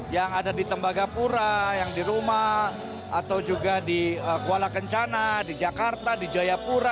yang ada di tembagapura yang di rumah atau juga di kuala kencana di jakarta di jayapura